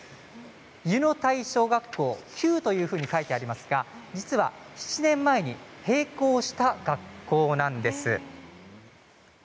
湯ノ岱小学校旧と書いてありますが実は７年前に閉校した学校なんです。